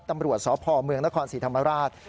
ตำรวจสพเมืองนครศรีธรรมราช